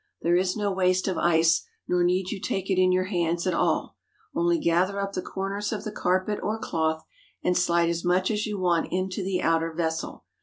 There is no waste of ice, nor need you take it in your hands at all—only gather up the corners of the carpet or cloth, and slide as much as you want into the outer vessel.